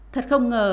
thật không ngờ